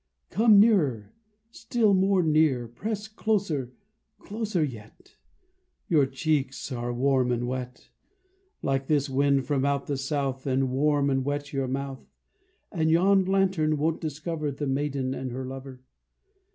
Come nearer, still more near; Press closer, closer yet. Your cheeks are warm and wet, Like this wind from out the south, And warm and wet your mouth; And yon lantern won't discover The maiden and her lover.